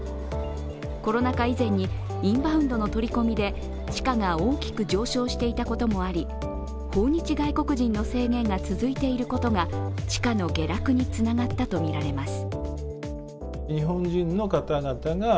コロナ禍以前にインバウンドの取り込みで地価が大きく上昇していたこともあり訪日外国人の制限が続いていることが地価の下落につながったとみられます。